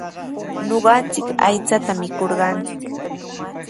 Ñuqanchik aychata mikurqanchik.